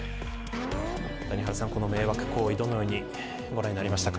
谷原さん、この迷惑行為どのようにご覧になりましたか。